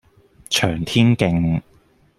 翔天徑